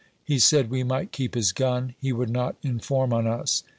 He said we might keep bis gun ; he would not in form on us.